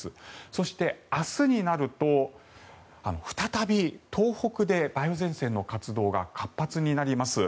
そして、明日になると再び東北で梅雨前線の活動が活発になります。